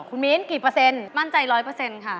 คุณมิ้นกี่เปอร์เซ็นต์มั่นใจ๑๐๐ค่ะ